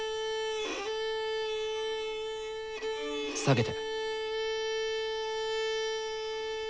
下げて。